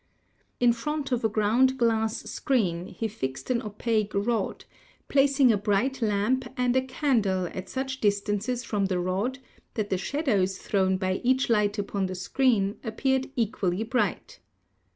In front of a ground glass screen he fixed an opaque rod, placing a bright lamp and a candle at such distances from the rod that the shadows thrown by each light upon the screen appeared equally bright.